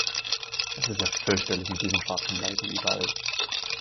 Das ist ja fürchterlich mit diesen schwarzen Balken überall!